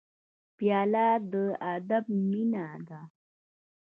پیاله د ادب مینه ده.